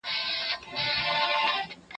زه به سبا د سبا لپاره د درسونو يادوم!؟